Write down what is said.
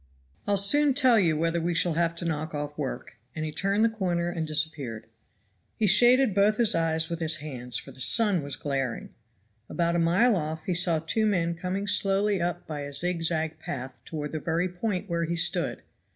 "I'll soon tell you whether we shall have to knock off work." And he turned the corner and disappeared. He shaded both his eyes with his hands, for the sun was glaring. About a mile off he saw two men coming slowly up by a zig zag path toward the very point where he stood.